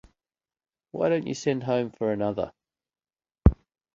Why don't you send home for another?